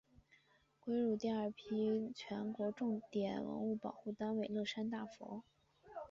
归入第二批全国重点文物保护单位乐山大佛。